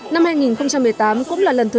năm hai nghìn một mươi tám cũng là lần thứ tám